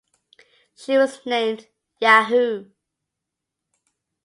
She was named Yahoo!